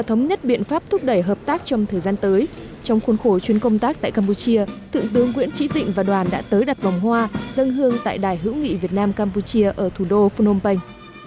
trong khuôn khổ chuyến công tác tại campuchia thượng tướng nguyễn trị vịnh và đoàn đã tới đặt vòng hoa dân hương tại đài hữu nghị việt nam campuchia ở thủ đô phnom penh